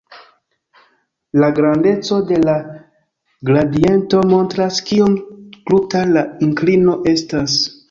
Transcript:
La grandeco de la gradiento montras kiom kruta la inklino estas.